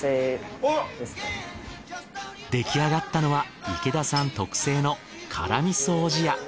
出来上がったのは池田さん特製の辛味噌おじや。